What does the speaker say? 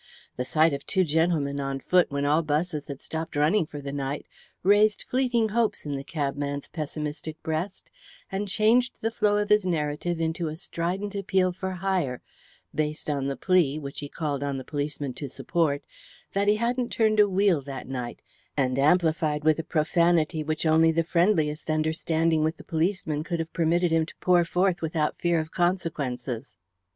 The sight of two gentlemen on foot when all 'buses had stopped running for the night raised fleeting hopes in the cabman's pessimistic breast, and changed the flow of his narrative into a strident appeal for hire, based on the plea, which he called on the policeman to support, that he hadn't turned a wheel that night, and amplified with a profanity which only the friendliest understanding with the policeman could have permitted him to pour forth without fear of consequences.